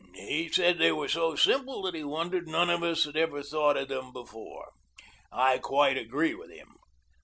"He said they were so simple that he wondered none of us had thought of them before. I quite agree with him."